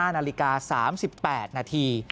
๕นาฬิกา๓๘นาที